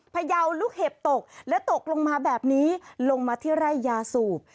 พยาวลูกเห็บตกและตกลงมาแบบนี้ลงมาที่ไร่ยาสูบ